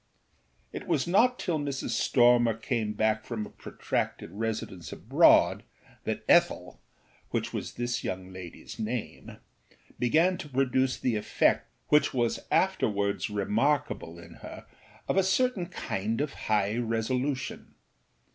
It was not till Mrs. Stormer came back from a protracted residence abroad that Ethel (which was this young ladyâs name) began to produce the effect, which was afterwards remarkable in her, of a certain kind of high resolution.